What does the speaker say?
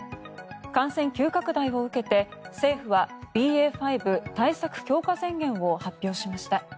感染急拡大を受けて政府はＢＡ．５対策強化宣言を発表しました。